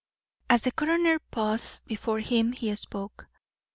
As the coroner paused before him he spoke.